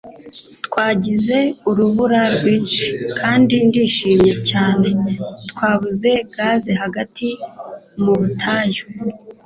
Twagize urubura rwinshi kandi ndishimye cyane. (C.Twabuze gaze hagati mu butayu.